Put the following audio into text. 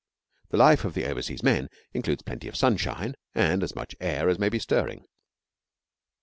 The life of the Outside Men includes plenty of sunshine, and as much air as may be stirring.